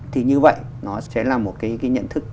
thì như vậy nó sẽ là một cái nhận thức